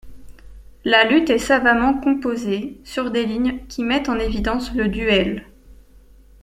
La lutte est savamment composée sur des lignes qui mettent en évidence le duel.